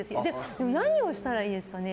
でも何をしたらいいですかね。